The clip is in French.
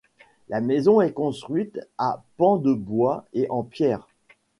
La maison est construite à pans de bois et en pierres.